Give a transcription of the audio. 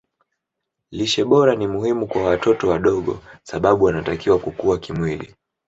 lishe bora ni muhimu kwa watoto wadogo sababu wanatakiwa kukua kimwili